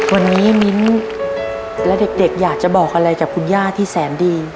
วันนี้มิ้นและเด็กอยากจะบอกอะไรกับคุณย่าที่แสนดี